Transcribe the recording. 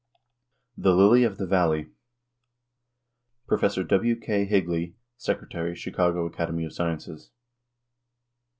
] THE LILY OF THE VALLEY. PROF. W. K. HIGLEY, Secretary, Chicago Academy of Sciences.